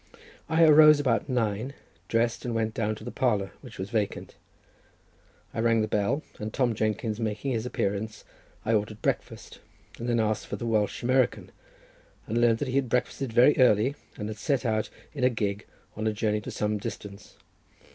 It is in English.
I arose about nine, dressed and went down to the parlour, which was vacant. I rang the bell, and on Tom Jenkins making his appearance, I ordered breakfast, and then asked for the Welsh American, and learned that he had breakfasted very early, and had set out in a gig on a journey to some distance.